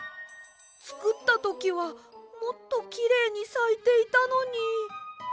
つくったときはもっときれいにさいていたのに。